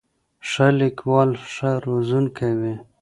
ښه لیکوال ښه روزونکی وي.